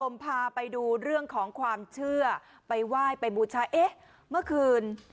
ผมพาไปดูเรื่องของความเชื่อไปไหว้ไปบูชาเอ๊ะเมื่อคืน